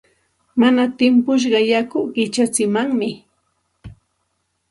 Mana timpushqa yaku qichatsimanmi.